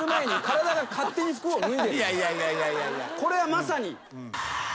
これはまさに。